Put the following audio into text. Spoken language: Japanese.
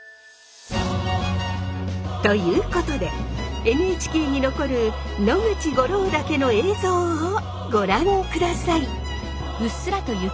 ということでＮＨＫに残る野口五郎岳の映像をご覧ください！